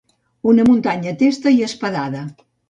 Una muntanya testa i espadada.